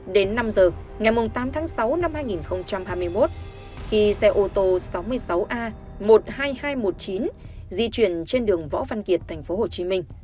đến năm giờ ngày tám tháng sáu năm hai nghìn hai mươi một khi xe ô tô sáu mươi sáu a một mươi hai nghìn hai trăm một mươi chín di chuyển trên đường võ văn kiệt tp hcm